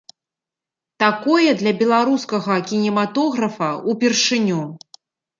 Такое для беларускага кінематографа ўпершыню.